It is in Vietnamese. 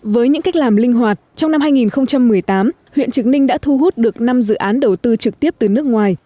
với những cách làm linh hoạt trong năm hai nghìn một mươi tám huyện trực ninh đã thu hút được năm dự án đầu tư trực tiếp từ nước ngoài